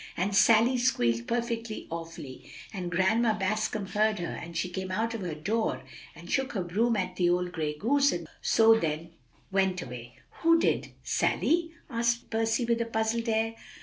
And Sally squealed perfectly awfully; and Grandma Bascom heard her, and she came out of her door, and shook her broom at the old gray goose, so then she went away" "Who did Sally?" asked Percy with a puzzled air.